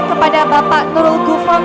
kepada bapak nurul gufron